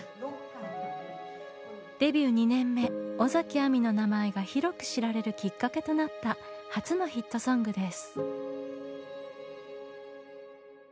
デビュー２年目尾崎亜美の名前が広く知られるきっかけとなった初のヒットソングです。